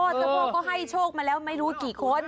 เจ้าพ่อก็ให้โชคมาแล้วไม่รู้กี่คน